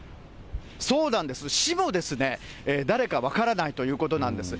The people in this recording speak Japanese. そうなんです、市も誰か分からないということなんです。